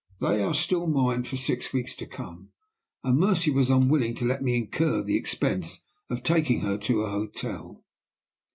They are still mine for six weeks to come, and Mercy was unwilling to let me incur the expense of taking her to a hotel.